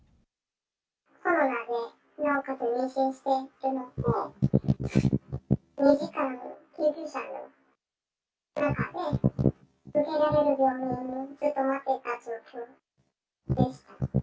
コロナでなおかつ妊娠しているので、２時間、救急車の中で受けられる病院、ずっと待っていた状況でした。